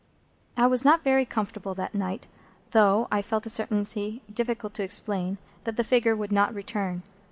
I was not very comfortable that night, though I felt a certainty, difficult to explain, that the figure would not return.